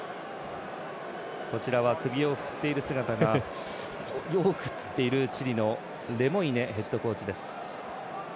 首を振っている姿がよく映っているチリのレモイネヘッドコーチです。